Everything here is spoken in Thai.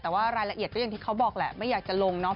แต่ว่ารายละเอียดก็อย่างที่เขาบอกแหละไม่อยากจะลงเนาะ